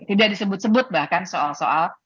tidak disebut sebut bahkan soal soal